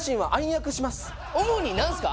主に何ですか？